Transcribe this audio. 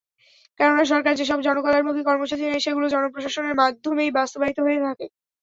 কেননা, সরকার যেসব জনকল্যাণমুখী কর্মসূচি নেয়, সেগুলো জনপ্রশাসনের মাধ্যমেই বাস্তবায়িত হয়ে থাকে।